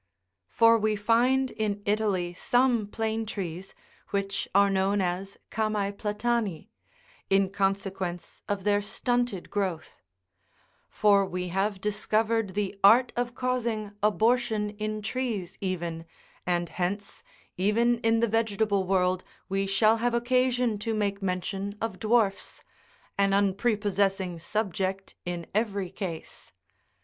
For we find in Italy some plane trees, which are known as chamseplatani,22 in consequence of their stunted growth ; for we have discovered the art of causing abortion in trees even, and hence, even in the vegetable world we shall have occasion to make mention of dwarfs, an unprepossessing subject in every case.